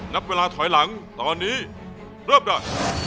นับเวลาถอยหลังตอนนี้เริ่มดับ